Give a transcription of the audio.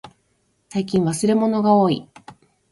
最近忘れ物がおおい。